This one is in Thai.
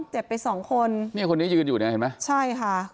เจ็บไปสองคนเนี่ยคนนี้ยืนอยู่เนี่ยเห็นไหมใช่ค่ะ